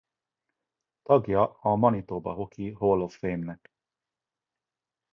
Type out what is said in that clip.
Tagja a Manitoba Hockey Hall of Fame-nek.